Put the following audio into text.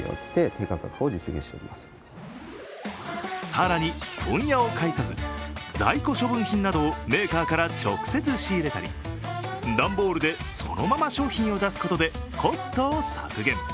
更に、問屋を介さず在庫処分品などをメーカーから直接仕入れたり段ボールでそのまま商品を出すことでコストを削減。